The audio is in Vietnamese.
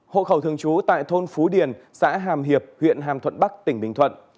hộ khẩu thường trú tại thôn phú điền xã hàm hiệp huyện hàm thuận bắc tỉnh bình thuận